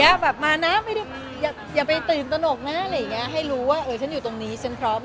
ก็แบบมายนะอย่าไปตื่นตะนกนะอะไรอย่างงี้ให้รู้ว่าเออฉันอยู่ตรงนี้ฉันพร้อมเสมอ